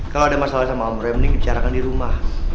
kalo ada masalah sama om rem nih bicarakan di rumah